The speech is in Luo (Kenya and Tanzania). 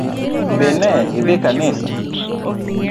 Be ne idhi kanisa?